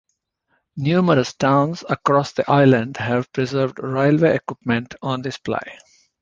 Numerous towns across the island have preserved railway equipment on display.